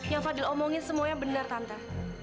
yang fadil omongin semuanya benar tante